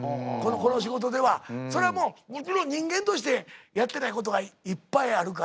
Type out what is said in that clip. それはもうもちろん人間としてやってないことがいっぱいあるから。